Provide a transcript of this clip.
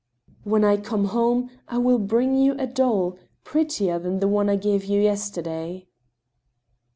" When I come home I will bring you a doll, prettier than the one I gave you yesterday."